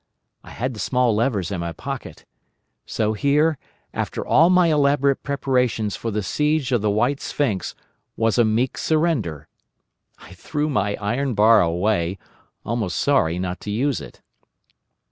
I had the small levers in my pocket. So here, after all my elaborate preparations for the siege of the White Sphinx, was a meek surrender. I threw my iron bar away, almost sorry not to use it.